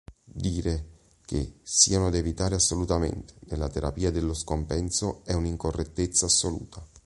Dire che siano da evitare assolutamente nella terapia dello scompenso è un'incorrettezza assoluta.